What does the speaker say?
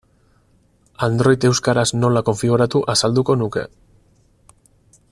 Android euskaraz nola konfiguratu azalduko nuke.